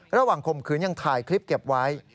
ระหว่างคมขืนยังถ่ายคลิปเก็บไว้